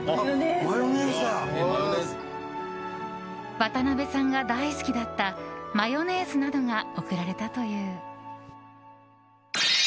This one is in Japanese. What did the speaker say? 渡辺さんが大好きだったマヨネーズなどが贈られたという。